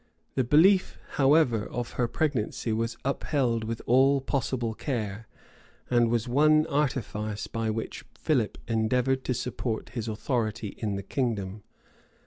The belief, however, of her pregnancy was upheld with all possible care; and was one artifice by which Philip endeavored to support his authority in the kingdom.